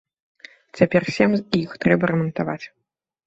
Цяпер сем з іх трэба рамантаваць.